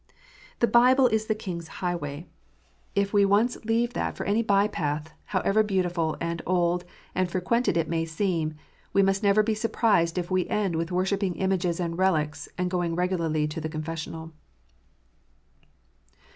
The Bible is the King s highway. If 420 KNOTS UNTIED. we once leave that for any by path, however beautiful, and old, and frequented it may seem, we must never be surprised if we end with worshipping images and relics, and going regularly to a confessional.